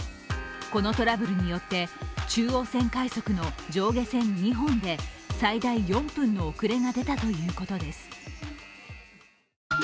このトラブルによって中央線快速の上下線２本で最大４分の遅れが出たということです。